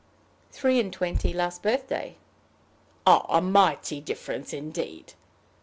"Three and twenty last birthday." "A mighty difference indeed!"